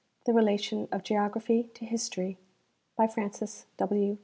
THE RELATION OF GEOGRAPHY TO HISTORY FRANCIS W.